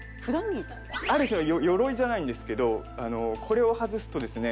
ある種の鎧じゃないんですけどこれを外すとですね